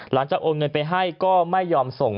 โอนเงินไปให้ก็ไม่ยอมส่ง